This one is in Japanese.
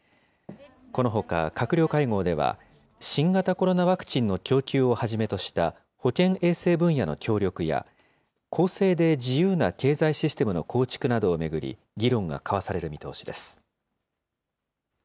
このほか閣僚会合では、新型コロナワクチンの供給をはじめとした保健衛生分野の協力や、公正で自由な経済システムの構築などを巡り、議論が交わされる見通しです。